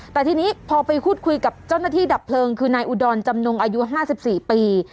แต่ทีนี้พอไปพูดคุยกับเจ้าหน้าที่ดับเพลิงคือนายอุดรจำนงอายุ๕๔ปี